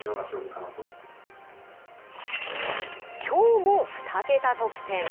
きょうも２桁得点！